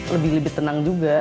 lebih lebih tenang juga